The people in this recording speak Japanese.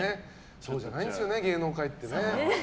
そうじゃないんですよね芸能界ってね。